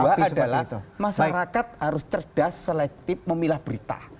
dan kedua adalah masyarakat harus cerdas seletip memilah berita